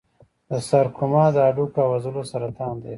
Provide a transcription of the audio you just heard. د سارکوما د هډوکو او عضلو سرطان دی.